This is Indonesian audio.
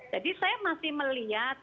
jadi saya masih melihat